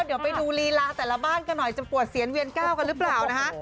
เดี๋ยวไปดูลีลาแต่ละบ้านกันหน่อยจะปวดเสียนเวียนก้าวกันหรือเปล่านะคะ